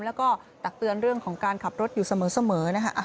แล้วก็ตักเตือนเรื่องของการขับรถอยู่เสมอนะคะ